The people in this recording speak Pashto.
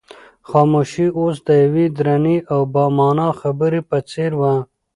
خاموشي اوس د یوې درنې او با مانا خبرې په څېر وه.